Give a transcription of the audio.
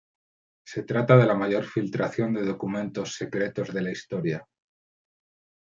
Se trata de la mayor filtración de documentos secretos de la historia.